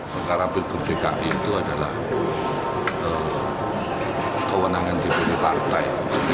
sekarang pilih keputusan dki itu adalah kewenangan di pilih partai